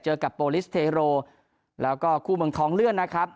เจอกับโปรลิสเทโรแล้วก็คู่เมืองทองเลื่อนนะครับ